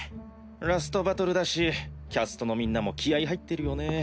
ラストバトルだしキャストのみんなも気合い入ってるよね。